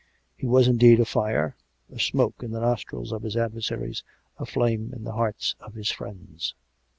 He was, indeed, a fire, a smoke in the nostrils of his adversaries, a flame in the hearts of his friends.